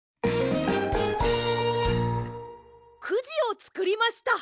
くじをつくりました！